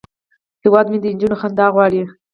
هیواد مې د نجونو خندا غواړي